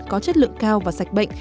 có chất lượng cao và sạch bệnh